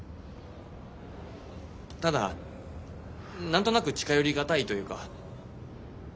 ただ何となく近寄りがたいというか。